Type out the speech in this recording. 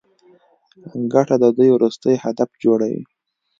ګټه د دوی وروستی هدف جوړوي